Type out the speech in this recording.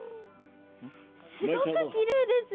すごくきれいです。